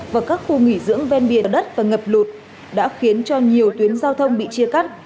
và các khu nghỉ dưỡng ven bia đất và ngập lụt đã khiến cho nhiều tuyến giao thông bị chia cắt